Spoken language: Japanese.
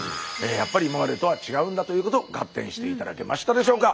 やっぱり今までとは違うんだということガッテンして頂けましたでしょうか？